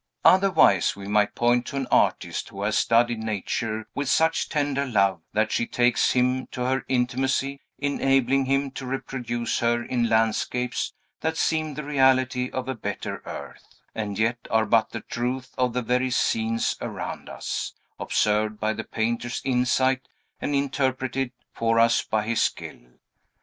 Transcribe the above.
Otherwise we might point to an artist who has studied Nature with such tender love that she takes him to her intimacy, enabling him to reproduce her in landscapes that seem the reality of a better earth, and yet are but the truth of the very scenes around us, observed by the painter's insight and interpreted for us by his skill.